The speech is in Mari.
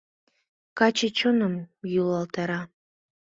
Каче чоным йӱлалтара.